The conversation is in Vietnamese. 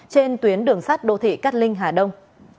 trên tuyến đường sắt đô thị cát linh hà đông